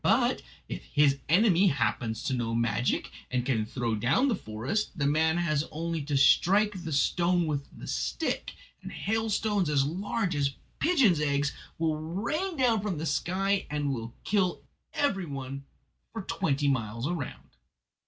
But if his enemy happens to know magic, and can throw down the forest, the man has only to strike the stone with the stick, and hailstones as large as pigeons' eggs will rain down from the sky and will kill every one for twenty miles round."